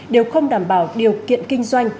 đều không đảm bảo điều kiện kinh doanh